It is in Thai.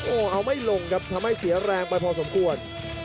โอ้โหเอาไม่ลงครับทำให้เสียแรงไปพอสมควร